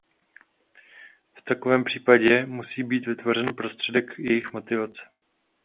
V takovém případě musí být vytvořen prostředek jejich motivace.